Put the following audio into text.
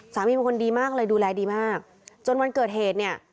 เป็นคนดีมากเลยดูแลดีมากจนวันเกิดเหตุเนี่ย